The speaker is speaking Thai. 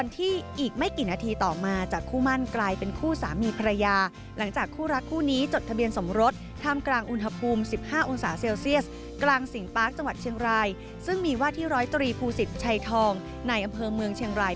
ติดตามบรรยากาศได้จากคุณมนุชาเจอมูลครับ